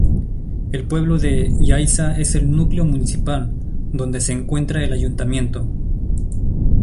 El pueblo de Yaiza es el núcleo municipal, donde se encuentra el ayuntamiento.